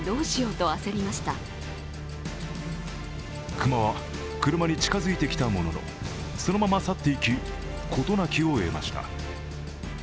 熊は車に近づいてきたもののそのまま去っていき、事なきを得ました。